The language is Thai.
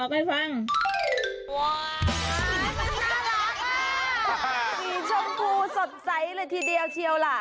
ว้าวมันน่ารักอ่ะสีชมพูสดใสเลยทีเดียวเทียวล่ะ